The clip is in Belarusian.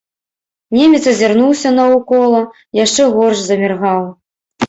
Немец азірнуўся наўкола, яшчэ горш заміргаў.